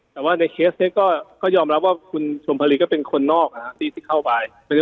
แต่ว่าในเคสนี้ก็ยอมรับว่าคุณชมพรีก็เป็นคนนอกนะครับที่เข้าไป